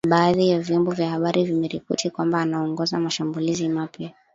na badhi ya vyombo vya habari vimeripoti kwamba anaongoza mashambulizi mapya